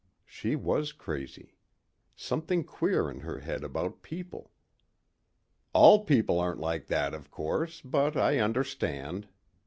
She was crazy. Something queer in her head about people. "All people aren't like that, of course. But I understand."